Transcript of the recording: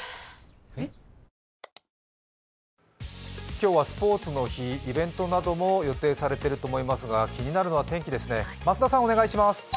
今日はスポーツの日イベントなども予定されていると思いますが気になるのは天気ですね。